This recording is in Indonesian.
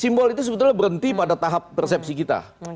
simbol itu sebetulnya berhenti pada tahap persepsi kita